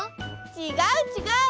ちがうちがう。